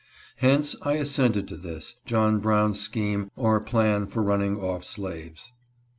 Hence, I assented to this, John Brown's scheme or plan for run ning off slaves.